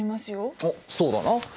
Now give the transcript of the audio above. おっそうだな。